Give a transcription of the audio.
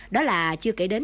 đó là chưa kể đến